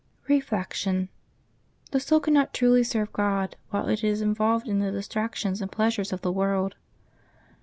Reflection. — The soul cannot truly serve God while it is involved in the distractions and pleasures of the world.